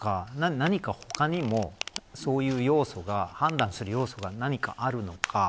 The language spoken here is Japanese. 何か他にも、そういう要素が判断する要素が何かあるのか。